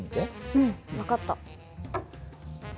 うん分かった。